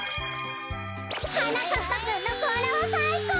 はなかっぱくんのこうらはさいこう！